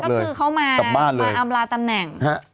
ก็คือเขามาอำลาตำแหน่ง